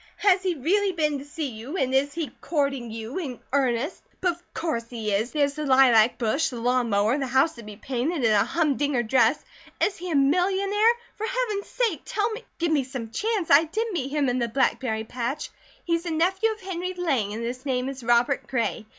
Has he really been to see you, and is he courting you in earnest? But of COURSE he is! There's the lilac bush, the lawn mower, the house to be painted, and a humdinger dress. Is he a millionaire? For Heaven's sake tell me " "Give me some chance! I did meet him in the blackberry patch. He's a nephew of Henry Lang and his name is Robert Gray.